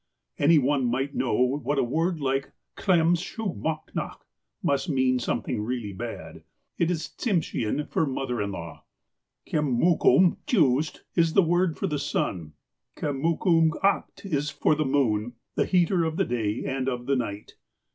Any one might know that a word like "Tclem shu mahnak " must mean something real bad. It is Tsim sheau for mother in law !" Kemmukum cheeoost " is their word for the sun, " Kemmukum ahtk " for the moon, the heater of the day and of the night.